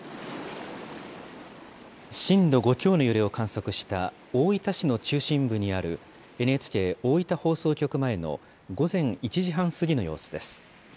震度５強の揺れを観測した大分市の中心部にあるＮＨＫ大分放送局前の午前１時半過ぎの様子です。